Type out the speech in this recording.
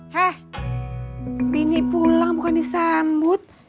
hah mini pulang bukan disambut